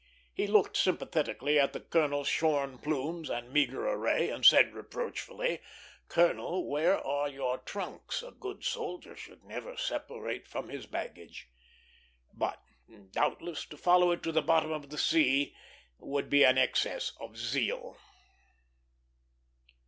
He looked sympathetically at the colonel's shorn plumes and meagre array, and said, reproachfully, "Colonel, where are your trunks? A good soldier should never separate from his baggage." But, doubtless, to follow it to the bottom of the sea would be an excess of zeal.